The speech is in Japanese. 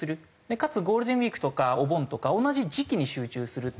かつゴールデンウィークとかお盆とか同じ時期に集中するっていう。